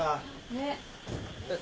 ねっ。